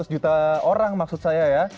lima ratus juta orang maksud saya ya